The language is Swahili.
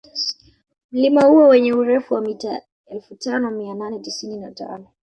Mlima huo wenye urefu wa mita elfu tano mia nane tisini na tano